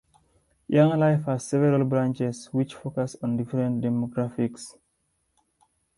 Young Life has several branches which focus on different demographics.